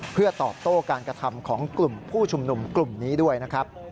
เพื่อตอบโต้การกระทำของกลุ่มผู้ชุมนุมกลุ่มนี้ด้วยนะครับ